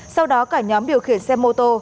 sau đó cả nhóm điều khiển xe mô tô